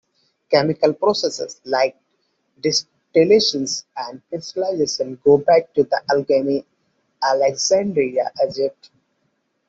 Chemical processes like distillation and crystallization go back to alchemy in Alexandria, Egypt.